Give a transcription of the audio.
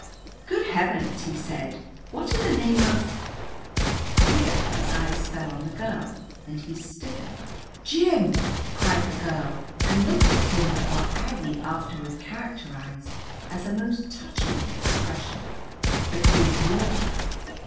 "Good Heavens!" he said. "What in the name of " Here his eyes fell on the girl, and he stiffened. "Jim!" cried the girl, and looked at him with what Aggie afterward characterized as a most touching expression. But he ignored her.